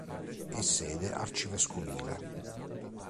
È sede arcivescovile.